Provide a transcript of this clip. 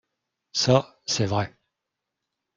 Ça, c’est vrai.